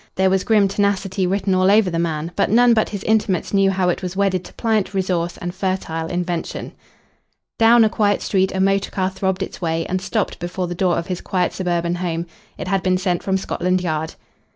There was grim tenacity written all over the man, but none but his intimates knew how it was wedded to pliant resource and fertile invention. Down a quiet street a motor car throbbed its way and stopped before the door of his quiet suburban home. It had been sent from Scotland Yard.